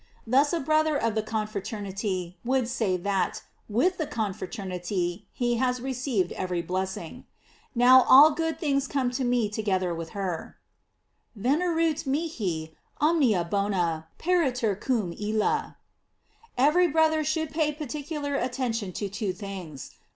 Thus a brother of the con fraternity may say that, with the confraternity, he has received every blessing: Now all good things come to me together with her: "Venerunt mihi omnia bona pariter cum ilia." * Every brother should pay particular attention to two things.